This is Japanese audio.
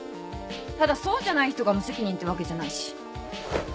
ただそうじゃない人が無責任ってわけじゃないし。